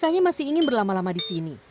biasanya masih ingin berlama lama di sini